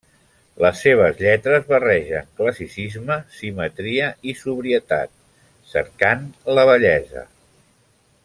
Les seves lletres barregen classicisme, simetria i sobrietat, cercant la bellesa.